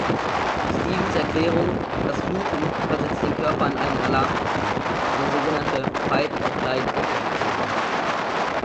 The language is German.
Stephens’ Erklärung: Das Fluchen versetzt den Körper in einen Alarmzustand, eine sogenannte Fight-or-flight-Reaktion.